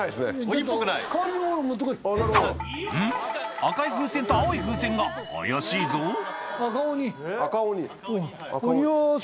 赤い風船と青い風船が怪しいぞ鬼は外。